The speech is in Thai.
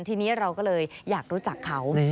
ทีนี้เราก็เลยอยากรู้จักเขา